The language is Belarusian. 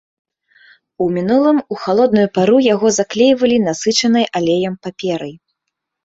У мінулым у халодную пару яго заклейвалі насычанай алеем паперай.